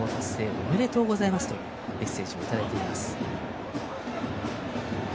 おめでとうございます！」というメッセージをいただいています。